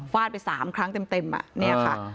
ฟาดไปสามครั้งเต็มเนี่ยค่ะ